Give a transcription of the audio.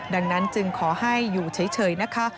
ดังนั้นจึงขอให้อยู่เฉยนะคะ